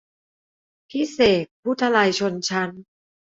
พี่เสกผู้ทลายชนชั้น